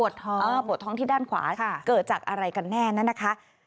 ปวดท้องที่ด้านขวาเกิดจากอะไรกันแน่นั่นนะคะ